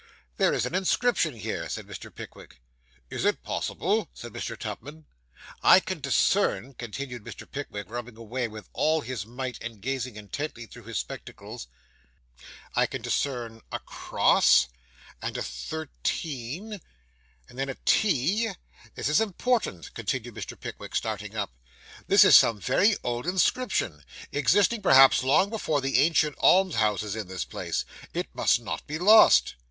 'There is an inscription here,' said Mr. Pickwick. 'Is it possible?' said Mr. Tupman. 'I can discern,' continued Mr. Pickwick, rubbing away with all his might, and gazing intently through his spectacles 'I can discern a cross, and a 13, and then a T. This is important,' continued Mr. Pickwick, starting up. 'This is some very old inscription, existing perhaps long before the ancient alms houses in this place. It must not be lost.